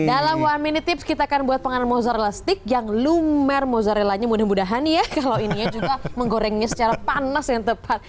dalam one minute tips kita akan buat penganan mozzarella stick yang lumer mozzarellanya mudah mudahan ya kalau ininya juga menggorengnya secara panas yang tepat